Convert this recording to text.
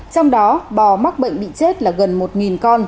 trong đó bò mắc bệnh bị chết là gần một con